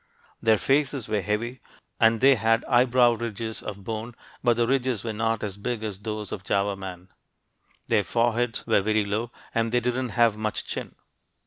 Their faces were heavy, and they had eyebrow ridges of bone, but the ridges were not as big as those of Java man. Their foreheads were very low, and they didn't have much chin.